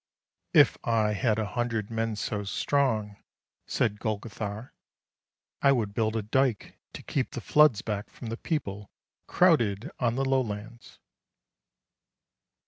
" If I had a hundred men so strong," said Golgothar, " I would build a dyke to keep the floods back from the people crowded on the lowlands."